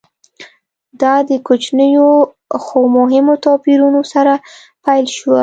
دا د کوچنیو خو مهمو توپیرونو سره پیل شوه